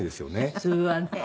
普通はね。